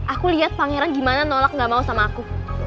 aku lihat pangeran gimana nolak gak mau sama aku